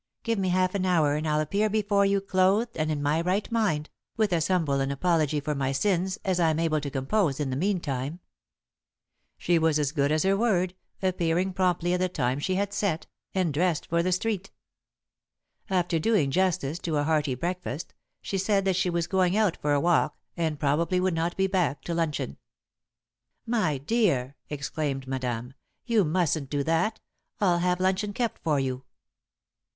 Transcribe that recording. Give me half an hour and I'll appear before you, clothed and in my right mind, with as humble an apology for my sins as I'm able to compose in the meantime." [Sidenote: Call of the Wander Lust] She was as good as her word, appearing promptly at the time she had set, and dressed for the street. After doing justice to a hearty breakfast, she said that she was going out for a walk and probably would not be back to luncheon. "My dear!" exclaimed Madame. "You mustn't do that. I'll have luncheon kept for you."